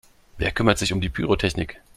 Wer kümmert sich um die Pyrotechnik?